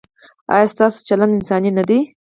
ایا ستاسو چلند انساني نه دی؟